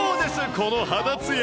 この肌つや。